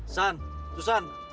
san tuh san